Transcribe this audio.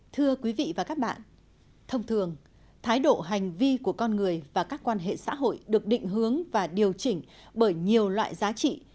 thưa quý vị và các bạn thông thường thái độ hành vi của con người và các quan hệ xã hội được định hướng và điều chỉnh bởi nhiều loại giá trị